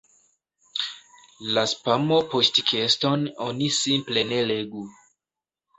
La "spamo-"poŝtkeston oni simple ne legu.